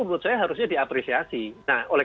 menurut saya harusnya diapresiasi nah oleh